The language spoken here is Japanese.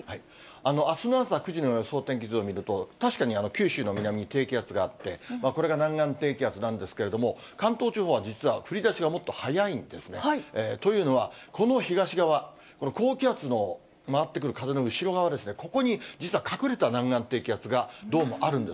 あすの朝９時の予想天気図を見ると、確かに九州の南に低気圧があって、これが南岸低気圧なんですけれども、関東地方は実は、降りだしはもっと早いんですね。というのは、この東側、この高気圧の回ってくる風の後ろ側ですね、ここに実は隠れた南岸低気圧が、どうもあるんです。